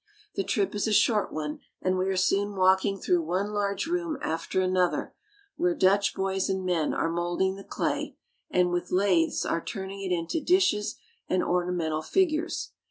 The trip is a short one and we are soon walking through one large room after another, where Dutch boys and men are molding the clay, and with lathes are turning it into dishes and ornamental figures.